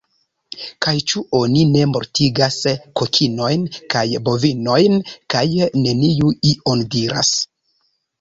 Kaj ĉu oni ne mortigas kokinojn kaj bovinojn kaj neniu ion diras?